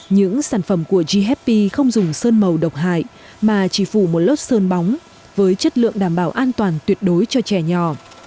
những sản phẩm của ghp không dùng sơn màu độc hại mà chỉ phủ một lớp sơn bóng với chất lượng đảm bảo an toàn tuyệt đối cho trẻ nhỏ